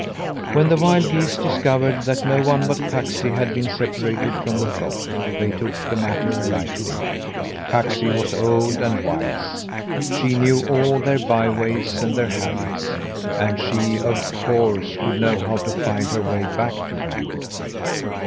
When the wild geese discovered that no one but Kaksi had been separated from the flock, they took the matter lightly. Kaksi was old and wise. She knew all their byways and their habits, and she, of course, would know how to find her way back to them.